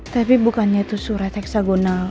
tapi bukannya itu surat eksagonal